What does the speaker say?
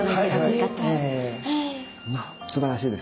すばらしいですね。